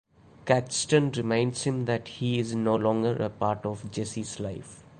Caxton reminds him that he is no longer a part of Jessie's life.